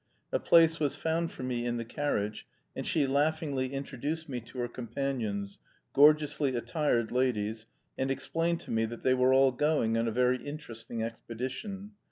A place was found for me in the carriage, and she laughingly introduced me to her companions, gorgeously attired ladies, and explained to me that they were all going on a very interesting expedition.